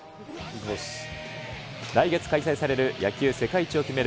来月開催される野球世界一を決める